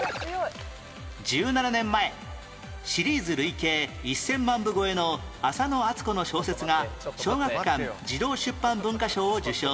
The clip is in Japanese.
１７年前シリーズ累計１０００万部超えのあさのあつこの小説が小学館児童出版文化賞を受賞